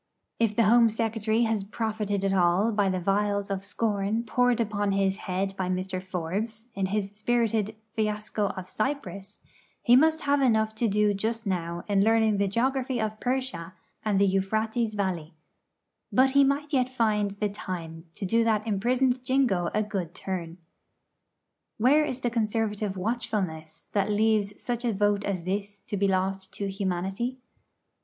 If the Home Secretary has profited at all by the vials of scorn poured upon his head by Mr. Forbes, in his spirited 'Fiasco of Cyprus,' he must have enough to do just now in learning the geography of Persia and the Euphrates Valley; but he might yet find the time to do that imprisoned Jingo a good turn. Where is the Conservative watchfulness that leaves such a vote as this to be lost to humanity?